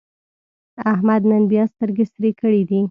احمد نن بیا سترګې سرې کړې دي.